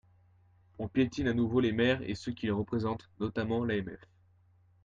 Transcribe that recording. On piétine à nouveau les maires et ceux qui les représentent, notamment l’AMF.